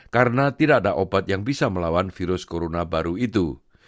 karena tidak ada obat yang bisa melawan virus corona baru itu